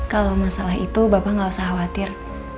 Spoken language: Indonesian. kalau masalah itu bapak nggak usah khawatir